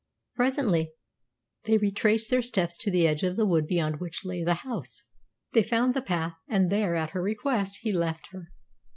Presently they retraced their steps to the edge of the wood beyond which lay the house. They found the path, and there, at her request, he left her.